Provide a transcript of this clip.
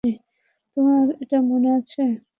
তোমার এটা মনে আছে?